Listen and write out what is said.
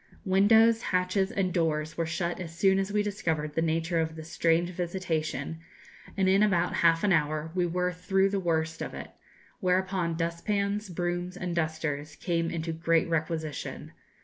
Windows, hatches, and doors were shut as soon as we discovered the nature of this strange visitation, and in about half an hour we were through the worst of it: whereupon dustpans, brooms, and dusters came into great requisition.